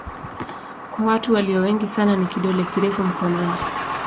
Kwa watu walio wengi sana ni kidole kirefu mkononi.